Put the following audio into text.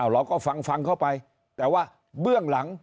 เราก็ฟังเข้าไปแต่ว่าเบื้องหลัง